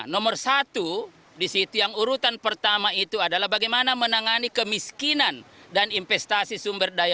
nomor satu di situ yang urutan pertama itu adalah bagaimana menangani kemiskinan dan investasi sumber daya